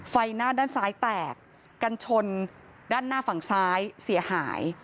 ไฟหน้าด้านซ้ายแตกกันชนด้านหน้าฝั่งซ้ายเสียหาย